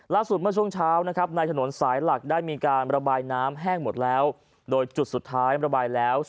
ล่าสุดเมื่อช่วงเฉ้านะครับในถนนสายหลักได้มีการระบายน้ำแห้งหมดแล้ว